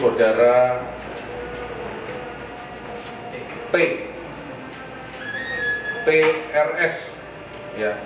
sodara trs salah satu taruna stip cilincing tingkat dua